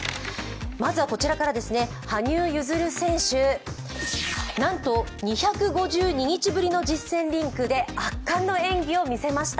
まずは羽生結弦選手、なんと２５２日ぶりの実践リンクで圧巻の演技を見せました。